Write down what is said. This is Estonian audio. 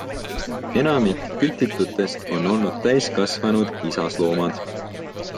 Enamik kütitutest on olnud täiskasvanud isasloomad.